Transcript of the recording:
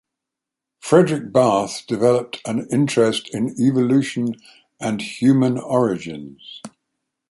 Fredrik Barth developed an interest in evolution and human origins.